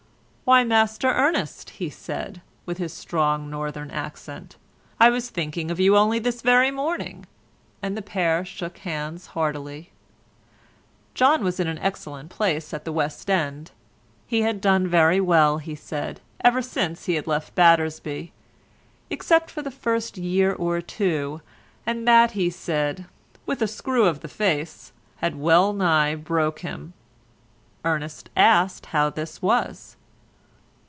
"Why, Master Ernest," said he, with his strong northern accent, "I was thinking of you only this very morning," and the pair shook hands heartily. John was in an excellent place at the West End. He had done very well, he said, ever since he had left Battersby, except for the first year or two, and that, he said, with a screw of the face, had well nigh broke him. Ernest asked how this was.